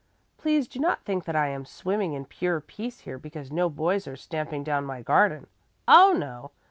Please do not think that I am swimming in pure peace here because no boys are stamping down my garden. Oh, no!